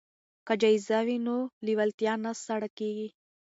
که جایزه وي نو لیوالتیا نه سړه کیږي.